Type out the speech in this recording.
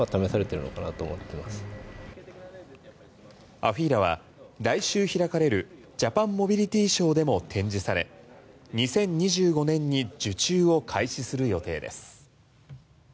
ＡＦＥＥＬＡは来週開かれるジャパンモビリティショーでも展示され２０２５年に受注を開始する予定です。